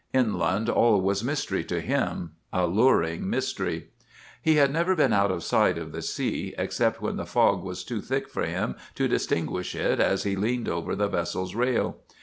Inland all was mystery to him—alluring mystery. "He had never been out of sight of the sea, except when the fog was too thick for him to distinguish it as he leaned over the vessel's rail.